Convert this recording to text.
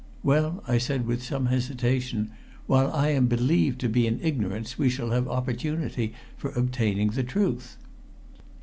"Well," I said with some hesitation, "while I am believed to be in ignorance we shall have opportunity for obtaining the truth."